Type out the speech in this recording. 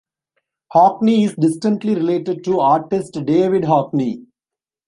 Hockney is distantly related to artist David Hockney.